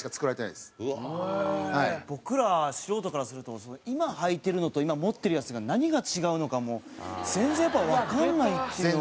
僕ら素人からすると今穿いてるのと今持ってるやつが何が違うのかも全然やっぱわかんないっていうのは。